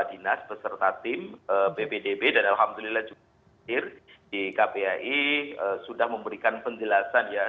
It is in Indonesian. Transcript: dinas beserta tim ppdb dan alhamdulillah juga hadir di kpai sudah memberikan penjelasan ya